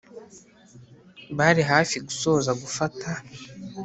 bari hafi gusoza gufata